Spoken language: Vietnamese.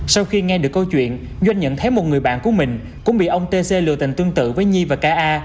sau khi nghe được câu chuyện doanh nhận thấy một người bạn của mình cũng bị ông t c lừa tình tương tự với nhi và k a